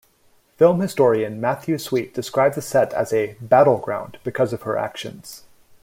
Film historian Matthew Sweet described the set as a "battleground" because of her actions.